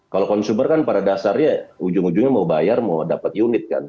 kalau konsumer kan pada dasarnya ujung ujungnya mau bayar mau dapat unit kan